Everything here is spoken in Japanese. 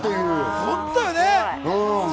本当よね。